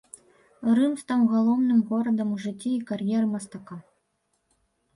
Рым стаў галоўным горадам у жыцці і кар'еры мастака.